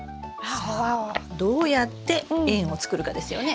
さあどうやって円を作るかですよね。